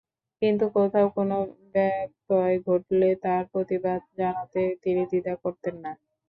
কিন্তু কোথাও কোনো ব্যত্যয় ঘটলে তার প্রতিবাদ জানাতে তিনি দ্বিধা করতেন না।